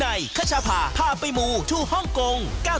ในคัชพาพาไปมูทูฮ่องกง